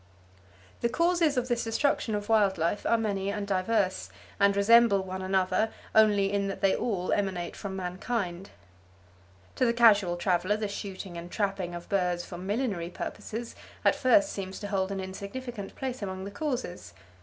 The causes of this destruction of wild life are many and diverse, and resemble one another only in that they all emanate from mankind. To the casual traveller the shooting and trapping of birds for millinery purposes at first seems to hold an insignificant place among the causes.